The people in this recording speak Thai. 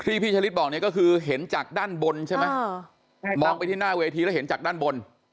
พี่ชะลิดบอกเนี่ยก็คือเห็นจากด้านบนใช่ไหมมองไปที่หน้าเวทีแล้วเห็นจากด้านบน